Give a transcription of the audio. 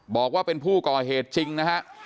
บอกว่าเป็นผู้ก่อเหตุจริงนะฮะ